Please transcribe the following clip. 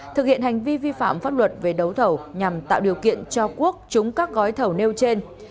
thực hiện hành vi vi phạm pháp luật về đấu thầu nhằm tạo điều kiện cho quốc chúng các gói thầu nêu trên